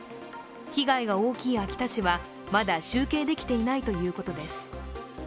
被害が大きい秋田市はまだ集計できていないということです。